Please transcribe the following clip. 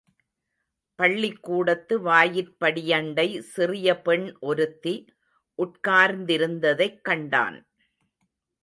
பள்ளிக்கூடத்து வாயிற்படியண்டை சிறிய பெண் ஒருத்தி உட்கார்ந்திருந்ததைக் கண்டான்.